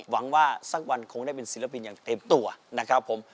หวังว่าสักวันคงได้เป็นศิลปินอย่างเต็มตัวนะครับผม